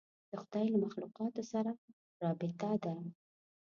د خدای له مخلوقاتو سره رابطه ده.